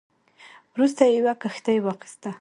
وروسته یې یوه کښتۍ واخیسته.